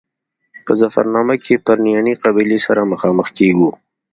په ظفرنامه کې پرنیاني قبیلې سره مخامخ کېږو.